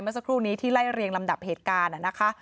เมื่อสักครู่นี้ที่ไล่เรียงลำดับเหตุการณ์นะคะ